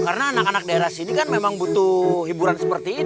karena anak anak daerah sini kan memang butuh hiburan seperti ini